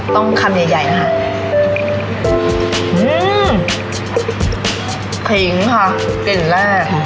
ต้องคำใหญ่ค่ะ